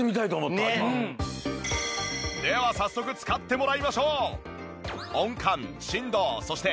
では早速使ってもらいましょう。